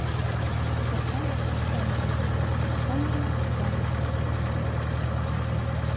Шокта лачак оҥгыр: «Тыҥ-тоҥ».